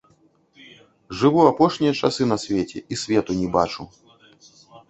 Жыву апошнія часы на свеце і свету не бачу.